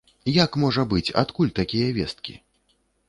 Як можа быць, адкуль такія весткі?